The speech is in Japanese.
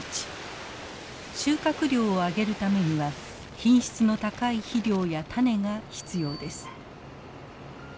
収穫量を上げるためには品質の高い肥料や種が必要です。